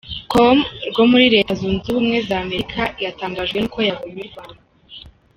com rwo muri Leta zunze ubumwe z’Amerika yatangajwe n’uko yabonye u Rwanda.